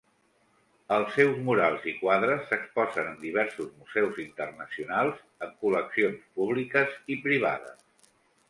Els seus murals i quadres s'exposen en diversos museus internacionals, en col·leccions públiques i privades.